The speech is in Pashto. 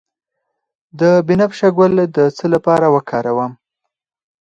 د بنفشه ګل د څه لپاره وکاروم؟